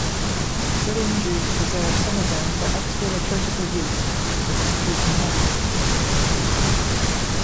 Syrian Jews preserve some of them for extra-liturgical use as pizmonim.